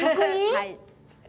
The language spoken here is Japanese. はい。